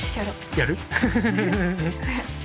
やる？